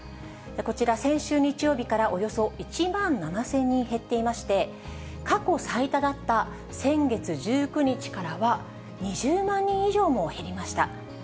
こちら先週日曜日から、およそ１万７０００人減っていまして、過去最多だった先月１９日からは２０万人以上も減りました。